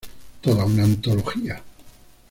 Toda una antología.